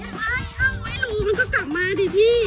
ไอ้เอ้าไม่รู้มันก็กลับมาดิพี่